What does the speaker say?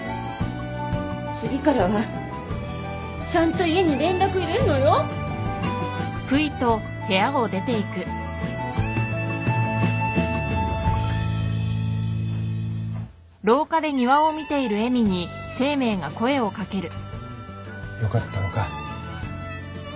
次からはちゃんと家に連絡入れるのよ。よかったのか？